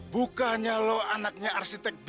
bukannya lo anaknya arsitek bay